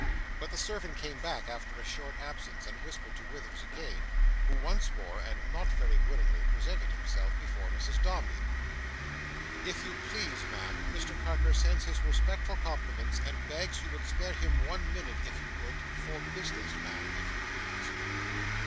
But the servant came back after a short absence, and whispered to Withers again, who once more, and not very willingly, presented himself before Mrs Dombey. "If you please, Ma'am, Mr Carker sends his respectful compliments, and begs you would spare him one minute, if you could—for business, Ma'am, if you please."